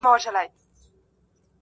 له رقیبه مي خنزیر جوړ کړ ته نه وې!.